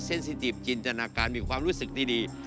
ซิติบจินตนาการมีความรู้สึกดี